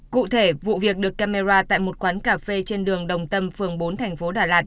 cụ thể vụ việc được camera tại một quán cà phê trên đường đồng tâm phường bốn thành phố đà lạt